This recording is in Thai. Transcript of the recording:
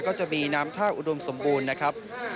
ก็จะมีน้ำท่าอุดมสมบูรณ์นะครับ